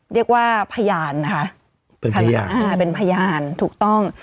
เรียกว่าพยานนะคะเป็นพยานอ่าเป็นพยานถูกต้อง